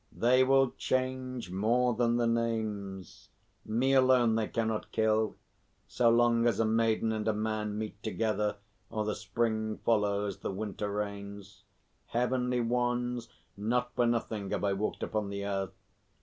"They will change more than the names. Me alone they cannot kill, so long as a maiden and a man meet together or the spring follows the winter rains. Heavenly Ones, not for nothing have I walked upon the earth.